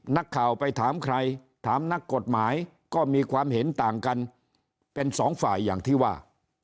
นักข่าวไปถามใครถามนักกฎหมายก็มีความเห็นต่างกันเป็นสองฝ่ายอย่างที่ว่า